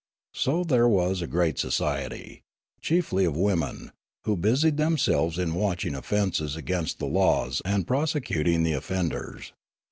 So there was a great society, chiefly of women, who busied themselves in watching offences against the laws and prosecuting the offenders.